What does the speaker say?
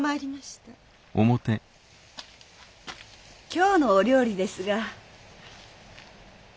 今日のお料理ですが。